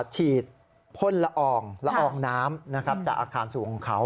ฉีดพ่นละอองละอองน้ำจากอาคารสูงของเขา